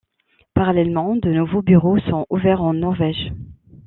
Parallèlement, de nouveaux bureaux sont ouverts en Norvège.